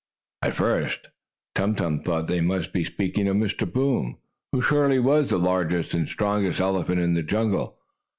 At first Tum Tum thought they must be speaking of Mr. Boom, who surely was the largest and strongest elephant in the jungle.